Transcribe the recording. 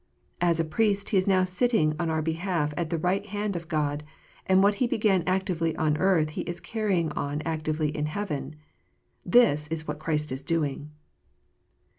As a Priest, He is now sitting on our behalf at the right hand of God ; and what He began actively on earth He is carrying on actively in heaven. This is what Christ is doing.